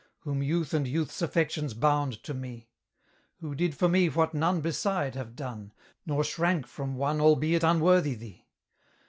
Whom youth and youth's affections bound to me; Who did for me what none beside have done, Nor shrank from one albeit unworthy thee.